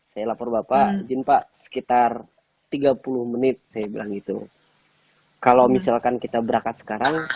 saya lapor bapak izin pak sekitar tiga puluh menit saya bilang gitu kalau misalkan kita berangkat sekarang